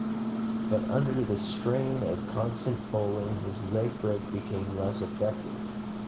But under the strain of constant bowling, his leg break became less effective.